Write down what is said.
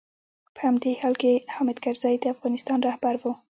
په همدې حال کې حامد کرزی د افغانستان رهبر و.